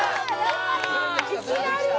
いきなり！？